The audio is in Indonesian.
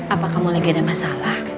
apakah kamu lagi ada masalah